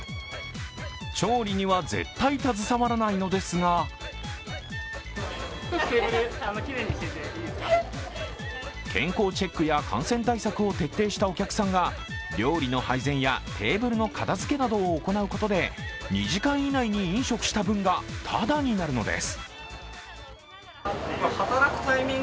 調理には絶対携わらないのですが健康チェックや感染対策を徹底したお客さんが料理の配膳やテーブルの片づけなどを行うことで、２時間以内に飲食した分がただになるのです。